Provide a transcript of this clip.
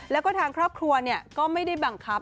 แล้วก็ทางครอบครัวก็ไม่ได้บังคับ